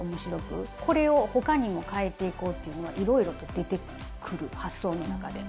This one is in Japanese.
これを他にもかえていこうというのはいろいろと出てくる発想の中で。